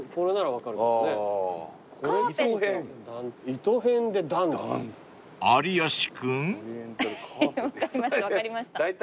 分かりました